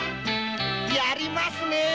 やりますね！